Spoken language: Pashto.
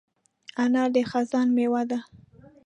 انار د خزان مېوه ده.